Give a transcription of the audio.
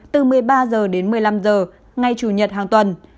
từ một mươi ba h đến một mươi năm h ngày chủ nhật hàng tuần